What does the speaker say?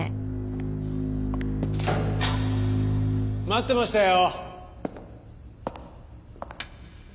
待ってましたよ。